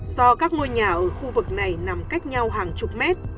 do các ngôi nhà ở khu vực này nằm cách nhau hàng chục mét